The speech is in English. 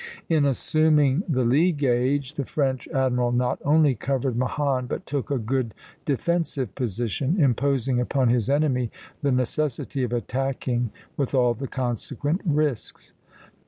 In assuming the lee gage the French admiral not only covered Mahon, but took a good defensive position, imposing upon his enemy the necessity of attacking with all the consequent risks.